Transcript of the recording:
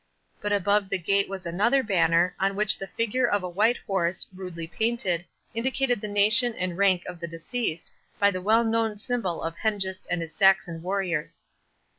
But above the gate was another banner, on which the figure of a white horse, rudely painted, indicated the nation and rank of the deceased, by the well known symbol of Hengist and his Saxon warriors.